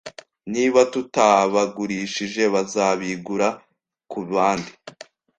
Niba tutabagurishije, bazabigura kubandi